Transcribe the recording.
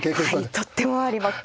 とっても分かります。